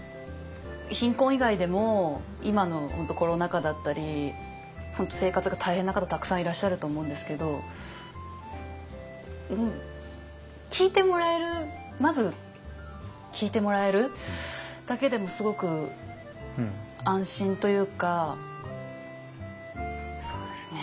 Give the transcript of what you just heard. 貧困以外でも今の本当コロナ禍だったり本当生活が大変な方たくさんいらっしゃると思うんですけどまず聞いてもらえるだけでもすごく安心というかそうですね。